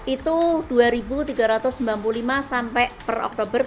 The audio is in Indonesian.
itu dua tiga ratus sembilan puluh lima sampai per oktober